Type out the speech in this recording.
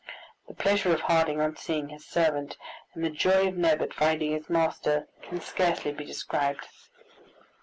The pleasure of Harding on seeing his servant, and the joy of Neb at finding his master, can scarcely be described.